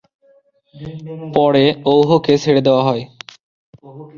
পরে ওউহকে ছেড়ে দেওয়া হয়।